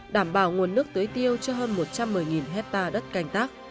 đảm bảo nguồn nước tưới tiêu cho hơn một trăm một mươi hectare đất canh tác